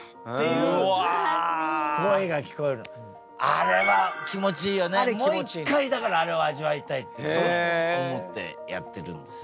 あれもう一回だからあれを味わいたいってそう思ってやってるんですよ。